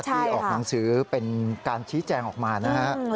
ที่ออกหนังสือเป็นการชี้แจงออกมานะฮะ